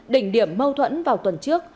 đỉnh điểm mâu thuẫn vào tuần trước